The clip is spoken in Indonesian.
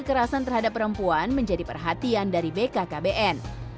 kekerasan terhadap perempuan menjadi perhatian dari bkkbn